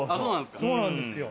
そうなんですか？